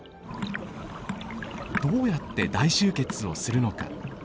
どうやって大集結をするのか。